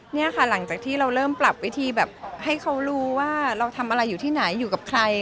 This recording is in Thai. นี่ค่ะหลังจากที่เราเริ่มปรับวิธีแบบให้เขารู้ว่าเราทำอะไรอยู่ที่ไหนอยู่กับใคร